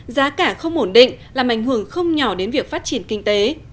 giá cả không ổn định làm ảnh hưởng không nhỏ đến việc phát triển kinh tế